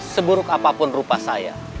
seburuk apapun rupa saya